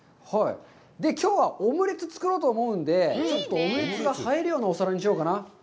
きょうはオムレツを作ろうと思うので、ちょっとオムレツが映えるようなお皿にしようかな。